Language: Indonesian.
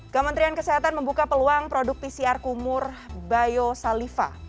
kementerian kesehatan membuka peluang produk pcr kumur biosaliva